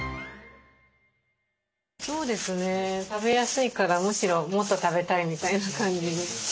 食べやすいからむしろもっと食べたいみたいな感じに。